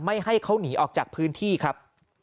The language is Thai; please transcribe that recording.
ให้เขาหนีออกจากพื้นที่ครับ